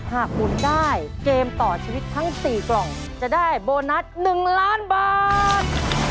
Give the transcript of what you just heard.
หมุนได้เกมต่อชีวิตทั้ง๔กล่องจะได้โบนัส๑ล้านบาท